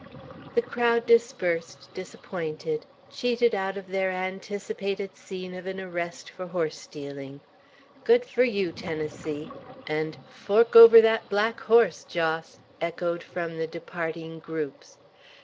The crowd dispersed, disappointed; cheated out of their anticipated scene of an arrest for horse stealing. "Good for you, Tennessee!" and, "Fork over that black horse, Jos!" echoed from the departing groups.